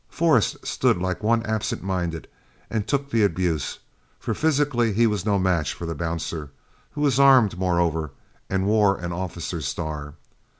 Forrest stood like one absent minded and took the abuse, for physically he was no match for the bouncer, who was armed, moreover, and wore an officer's star.